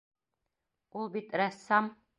Ул бит рәссам!